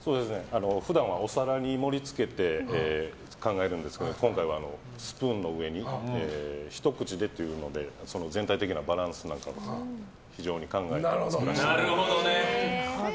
普段はお皿に盛りつけて考えるんですけど今回はスプーンの上にひと口でっていうので全体的なバランスなんかも非常に考えて作らせていただきました。